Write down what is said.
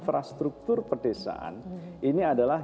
infrastruktur perdesaan ini adalah